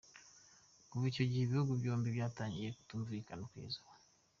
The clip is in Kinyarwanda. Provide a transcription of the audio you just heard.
Kuva icyo gihe ibihugu byombi byatangiye kutumvikana kugeza ubu.